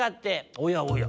おやおや。